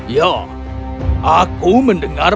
ya aku mendengar